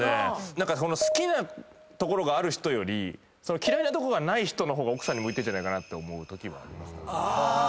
何か好きなところがある人より嫌いなとこがない人の方が奥さんに向いてんじゃないかなって思うときもありますかね。